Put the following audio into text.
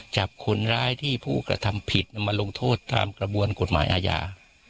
จับคนร้ายที่ผู้กระทำผิดนำมาลงโทษตามกระบวนกฎหมายอาญา